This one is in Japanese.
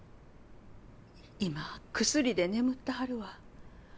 今薬で眠ってはるわ。